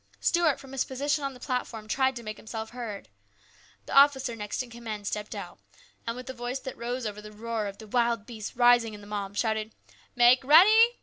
Stuart from his position on the platform tried to make himself heard. The officer next in command stepped out, and in a voice that rose over the roar of the wild beast rising in the mob, shouted, " Make ready